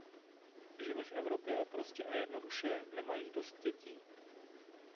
Ženy v Evropě prostě a jednoduše nemají dost dětí.